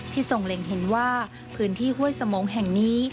ทรงเล็งเห็นว่าพื้นที่ห้วยสมงแห่งนี้